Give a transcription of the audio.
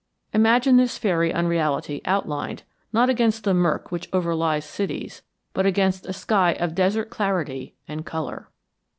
Imagine this fairy unreality outlined, not against the murk which overlies cities, but against a sky of desert clarity and color.